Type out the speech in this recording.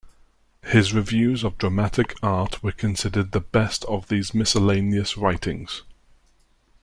His reviews of dramatic art were considered the best of these miscellaneous writings.